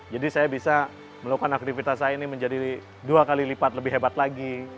jadi saya bisa melakukan aktivitas saya ini menjadi dua kali lipat lebih hebat lagi